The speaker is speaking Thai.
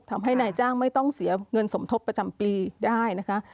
ทำให้นายจ้างไม่ต้องเสียเงินสมทบประจำปีได้นะคะ